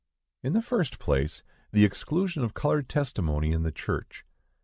In the first place, the exclusion of colored testimony in the church.